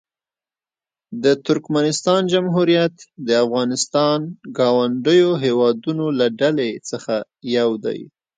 د ترکمنستان جمهوریت د افغانستان ګاونډیو هېوادونو له ډلې څخه یو دی.